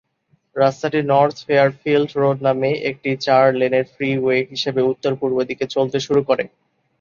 রাস্তাটি North Fairfield Road নামে একটি চার-লেনের ফ্রি ওয়ে হিসেবে উত্তর-পূর্বদিকে চলতে শুরু করে।